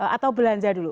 atau belanja dulu